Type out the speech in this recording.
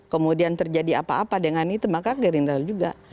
kemudian terjadi apa apa dengan itu maka gerindra juga